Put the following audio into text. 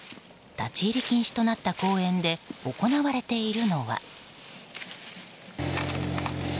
立ち入り禁止となった公園で行われているのは。